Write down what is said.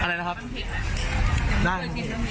อะไรแล้วครับ